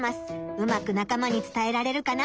うまくなか間につたえられるかな？